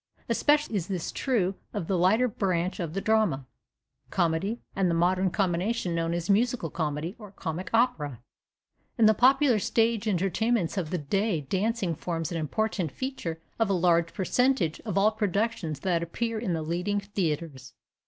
Especially is this true of the lighter branch of the drama, comedy, and the modern combination known as musical comedy or comic opera. In the popular stage entertainments of the day dancing forms an important feature of a large percentage of all productions that appear in the leading theatres.